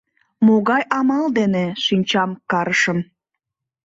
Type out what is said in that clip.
Могай амал дене?» — шинчам карышым.